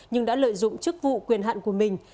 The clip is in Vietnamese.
nhưng đã lợi dụng chức vụ quyền hạn của mình